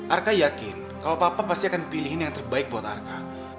arka yakin kalau papa pasti akan pilihin yang terbaik buat arka